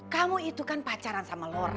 kamu itu kan pacaran sama lora